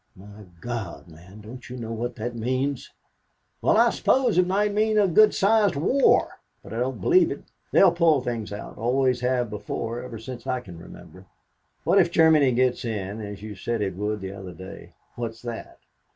"My God! Man, don't you know what that means?" "Well, I suppose it might mean a good sized war, but I don't believe it. They'll pull things out; always have before, ever since I can remember. What if Germany gets in, as you said it would be the other day; what's that?